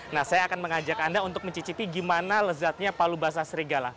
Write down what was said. nah saya akan mengajak anda untuk mencicipi gimana lezatnya palu basah serigala